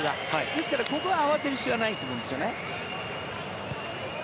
ですからここは慌てる必要はないと思うんですよね。